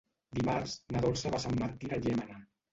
Dimarts na Dolça va a Sant Martí de Llémena.